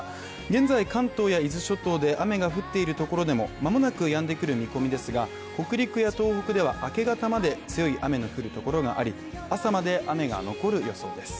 現在関東や伊豆諸島で雨が降っているところでも間もなくやんでくる見込みですが、東北や北陸では明け方まで強い雨の降る所があり朝まで雨が残る予想です。